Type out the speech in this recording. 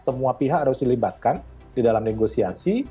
yang pertama semua pihak harus dilibatkan di dalam negosiasi